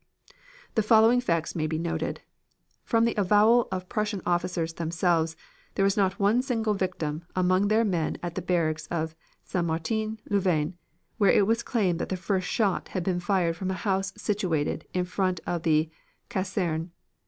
"The following facts may be noted: From the avowal of Prussian officers themselves, there was not one single victim, among their men at the barracks of St. Martin, Louvain, where it was claimed that the first shot had been fired from a house situated in front of the Caserne.